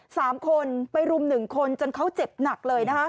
สามคนไปรุมหนึ่งคนจนเขาเจ็บหนักเลยนะคะ